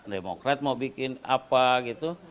demokrat mau bikin apa gitu